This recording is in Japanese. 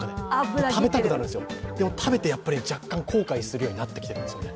食べたくなるんですよ、でも食べて若干後悔するようになってきてるんですよ。